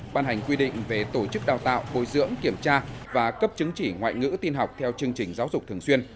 ban hành quy định về tổ chức đào tạo bồi dưỡng kiểm tra và cấp chứng chỉ ngoại ngữ tin học theo chương trình giáo dục thường xuyên